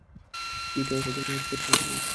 পিট অসাধারণ একটা ছেলে!